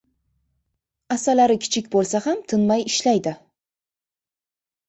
• Asalari kichik bo‘lsa ham tinmay ishlaydi.